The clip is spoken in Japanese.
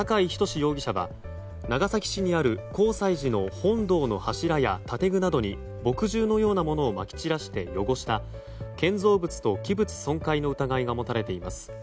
容疑者は長崎市にある広済寺の本堂の柱や建具などに墨汁のようなものをまき散らして汚した建造物と器物損壊の疑いが持たれています。